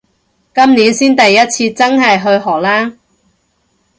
今年先第一次真係去荷蘭